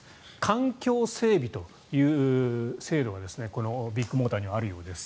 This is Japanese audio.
環境整備という制度がビッグモーターにはあるようです。